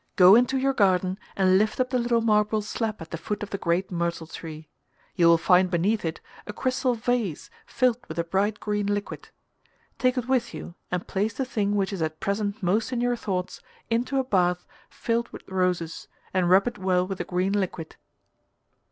Go into your garden and lift up the little marble slab at the foot of the great myrtle tree. You will find beneath it a crystal vase filled with a bright green liquid. Take it with you and place the thing which is at present most in your thoughts into a bath filled with roses and rub it well with the green liquid.